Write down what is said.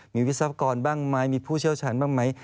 มีวิศวกรบ้างไหมมีผู้เชี่ยวชาญบ้างไหม